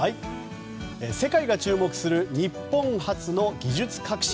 世界が注目する日本発の技術革新。